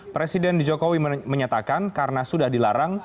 presiden jokowi menyatakan karena sudah dilarang